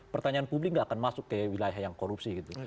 pertanyaan publik nggak akan masuk ke wilayah yang korupsi gitu